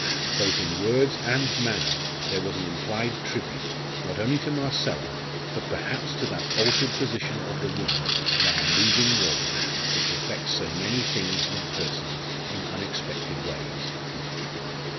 Both in words and manner there was an implied tribute, not only to Marcella, but perhaps to that altered position of the woman in our moving world which affects so many things and persons in unexpected ways.